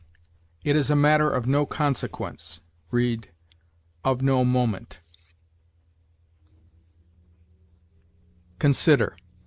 "It is a matter of no consequence": read, "of no moment." CONSIDER.